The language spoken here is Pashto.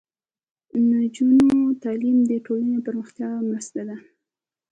د نجونو تعلیم د ټولنې پراختیا مرسته ده.